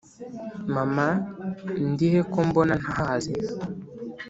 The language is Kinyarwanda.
mama, ndi he ko mbona ntahazi?